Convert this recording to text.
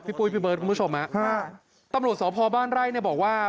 พี่ปุ๊ยพี่เบิร์ตคุณผู้ชมตำรวจสวพบ้านไร่บอกว่า